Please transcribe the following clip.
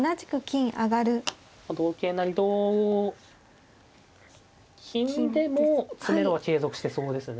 同桂成同金でも詰めろは継続してそうですね。